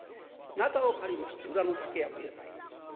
なたを借りまして裏の竹やぶへ参ります。